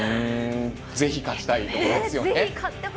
ぜひ勝ちたいところですよね。